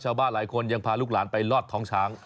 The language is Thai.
ชาวบ้านหลายคนยังพาลูกหลานไปลอดท้องช้าง